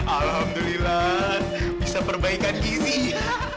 alhamdulillah bisa perbaikan gini